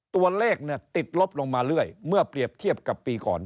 ตัวเลขติดลบลงมาเรื่อยเมื่อเปรียบเทียบกับปีก่อน